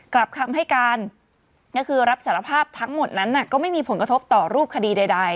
กลับคำให้การก็คือรับสารภาพทั้งหมดนั้นก็ไม่มีผลกระทบต่อรูปคดีใด